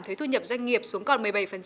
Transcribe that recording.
thuế thu nhập doanh nghiệp xuống còn một mươi bảy